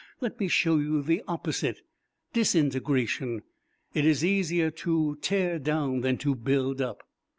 Let me show you the opposite disintegration. It is easier to tear down than to build up."